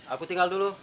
aku tinggal dulu